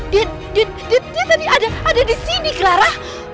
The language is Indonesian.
dia dia dia tadi ada ada disini clara